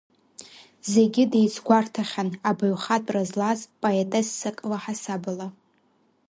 Зегьы деицгәарҭахьан абаҩхатәра злаз поетессак лаҳасабала.